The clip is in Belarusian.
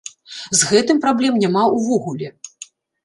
З гэтым праблем няма ўвогуле.